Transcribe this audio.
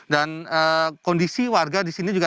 dan kondisi warga disini juga